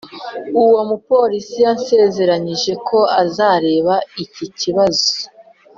uwo mupolisi yasezeranyije ko azareba iki kibazo.